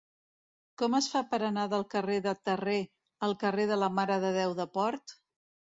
Com es fa per anar del carrer de Terré al carrer de la Mare de Déu de Port?